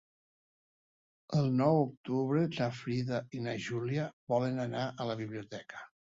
El nou d'octubre na Frida i na Júlia volen anar a la biblioteca.